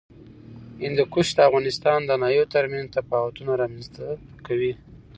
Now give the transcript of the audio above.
هندوکش د افغانستان د ناحیو ترمنځ تفاوتونه رامنځ ته کوي.